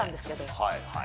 はいはい。